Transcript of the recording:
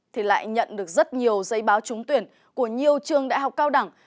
thì lại nhận được rất nhiều giấy báo trúng tuyển của nhiều trường đại học cao đẳng